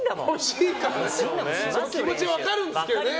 気持ち分かるんですけどね。